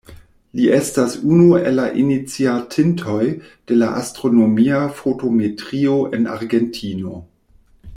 Li estas unu el la iniciatintoj de la astronomia fotometrio en Argentino.